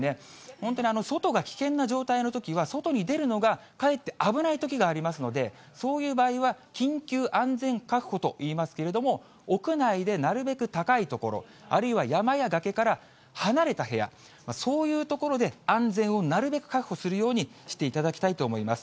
本当に外が危険な状態のときは、外に出るのがかえって危ないときがありますので、そういう場合は、緊急安全確保といいますけれども、屋内でなるべく高い所、あるいは山や崖から離れた部屋、そういう所で、安全をなるべく確保するようにしていただきたいと思います。